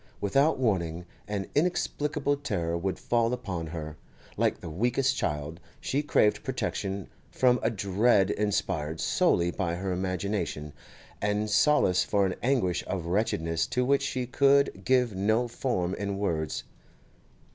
Without warning, an inexplicable terror would fall upon her; like the weakest child, she craved protection from a dread inspired solely by her imagination, and solace for an anguish of wretchedness to which she could give no form in words.